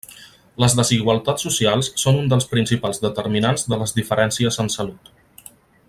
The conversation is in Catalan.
Les desigualtats socials són un dels principals determinants de les diferències en salut.